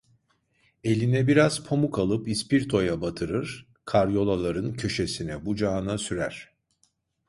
Eline biraz pamuk alıp ispirtoya batırır, karyolaların köşesine bucağına sürer…